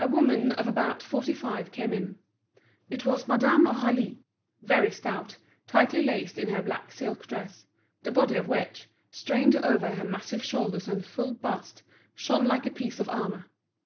A woman of about forty five came in. It was Madame Aurélie, very stout, tightly laced in her black silk dress, the body of which, strained over her massive shoulders and full bust, shone like a piece of armour.